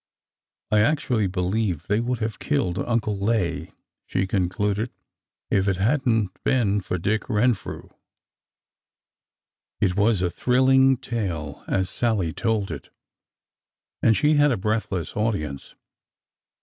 I actually believe they would have killed LTncle Lay," she concluded, if it had n't been for Dick Ren frew^ !" It was a thrilling tale as Sallie told it, and she had a breathless audience.